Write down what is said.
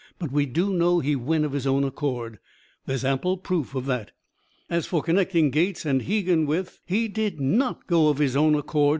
"But we do know he went of his own accord. There is ample proof of that. As for connecting Gates and Hegan with " "He did not go of his own accord!"